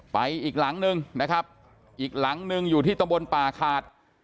ไปอีกหลังนึงนะครับอีกหลังหนึ่งอยู่ที่ตำบลป่าขาด